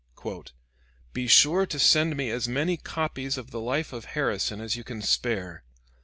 "Be sure to send me as many copies of the Life of Harrison as you can spare.